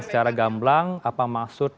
secara gamblang apa maksud